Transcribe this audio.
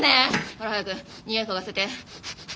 ほら早くにおい嗅がせて。